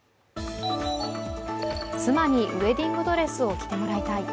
妻にウエディングドレスを着てもらいたい。